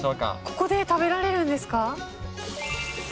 ここで食べられるんですか？